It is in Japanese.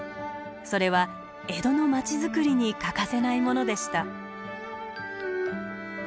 それは江戸の町づくりに欠かせないものでした。